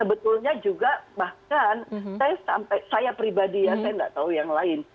sebetulnya juga bahkan saya sampai saya pribadi ya saya nggak tahu yang lain